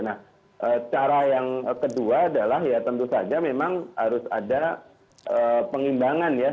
nah cara yang kedua adalah ya tentu saja memang harus ada pengimbangan ya